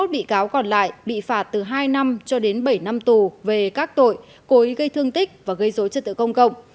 hai mươi một bị cáo còn lại bị phạt từ hai năm cho đến bảy năm tù về các tội cố ý gây thương tích và gây dối trật tự công cộng